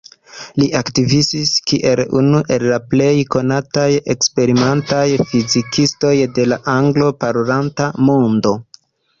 Li aktivis kiel unu el la plej konataj eksperimentaj fizikistoj de la anglo-parolanta mondo.